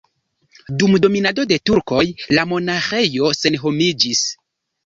Dum dominado de turkoj la monaĥejo senhomiĝis.